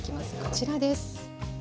こちらです。